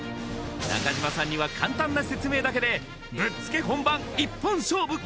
中島さんには簡単な説明だけでぶっつけ本番一本勝負！